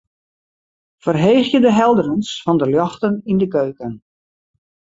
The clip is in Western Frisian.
Ferheegje de helderens fan de ljochten yn de keuken.